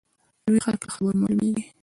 لوی خلک له خبرو معلومیږي.